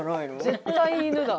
絶対犬だ。